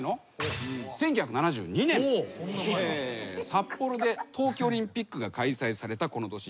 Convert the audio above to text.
札幌で冬季オリンピックが開催されたこの年。